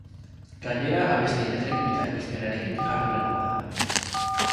Gainera, abestien letrekin eta ekoizpenarekin jardun egon da.